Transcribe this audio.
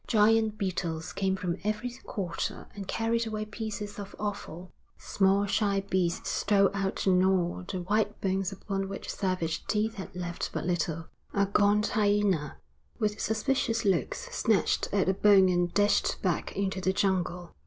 Giant beetles came from every quarter and carried away pieces of offal; small shy beasts stole out to gnaw the white bones upon which savage teeth had left but little; a gaunt hyena, with suspicious looks, snatched at a bone and dashed back into the jungle.